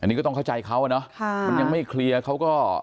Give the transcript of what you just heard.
อันนี้ก็ต้องเข้าใจเขาอ่ะเนาะมันยังไม่เคลียร์เขาก็